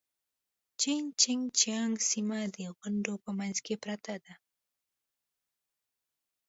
جين چنګ جيانګ سيمه د غونډيو په منځ کې پرته ده.